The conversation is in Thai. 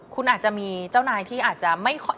คุณอาจจะมีเจ้านายที่อาจจะไม่ค่อย